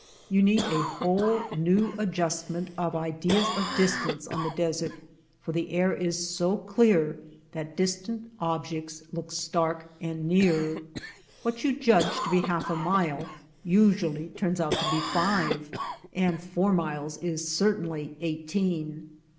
You need a whole new adjustment of ideas of distance on the desert for the air is so clear that distant objects look stark and near. What you judge to be half a mile usually turns out to be five, and four miles is certainly eighteen.